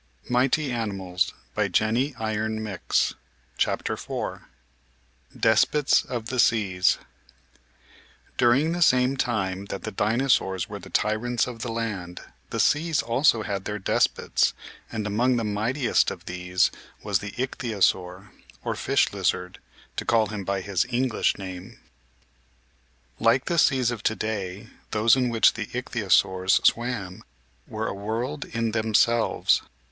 Original in American Museum of Natural History) DESPOTS OF THE SEAS DURING the same time that the Dinosaurs were the tyrants of the land the seas also had their despots and among the mightiest of these was the Ichthyo saur or Fish Lizard, to call him by his English name. Like the seas of to day, those in which the Ich thyosaurs swam were a world in themselves.